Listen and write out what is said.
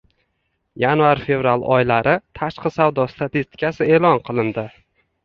Yanvar-fevral oylari tashqi savdo statistikasi e'lon qilindi